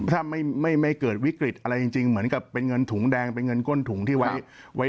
ถ้าไม่เกิดวิกฤตอะไรจริงเหมือนกับเป็นเงินถุงแดงเป็นเงินก้นถุงที่ไว้